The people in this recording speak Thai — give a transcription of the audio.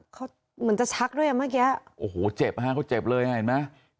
เขาเหมือนจะชักด้วยอ่ะเมื่อกี้โอ้โหเจ็บฮะเขาเจ็บเลยอ่ะเห็นไหม